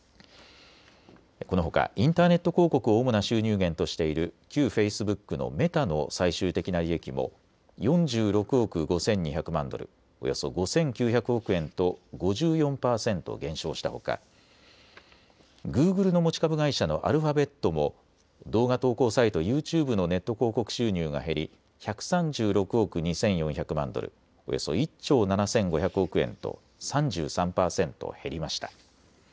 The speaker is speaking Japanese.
このほかインターネット広告を主な収入源としている旧フェイスブックのメタの最終的な利益も４６億５２００万ドル、およそ５９００億円と５４％減少したほかグーグルの持ち株会社のアルファベットも動画投稿サイト、ユーチューブのネット広告収入が減り１３６億２４００万ドル、およそ１兆７５００億円と３３％減りました。